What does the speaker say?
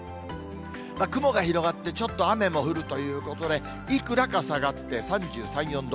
雲が広がって、ちょっと雨も降るということで、いくらか下がって、３３、４度。